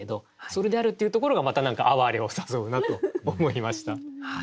それであるっていうところがまた何かあわれを誘うなと思いました。